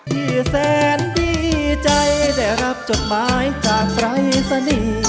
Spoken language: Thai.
ที่แสนดีใจแต่รับจดหมายจากใบสนี